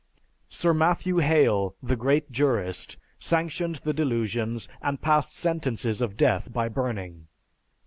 Sir Matthew Hale, the great jurist, sanctioned the delusions and passed sentences of death by burning.